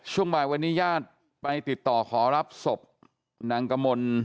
ช่วงบ่ายวันนี้ญาติไปติดต่อขอรับศพนางกมล